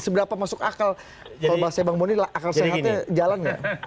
seberapa masuk akal kalau bahasa bang boni akal sehatnya jalan nggak